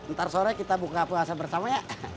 ntar sore kita buka puasa bersama ya